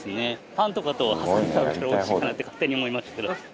パンとかと挟んで食べたらおいしいかなって勝手に思いましたけど。